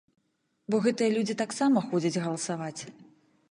Бо гэтыя людзі таксама ходзяць галасаваць.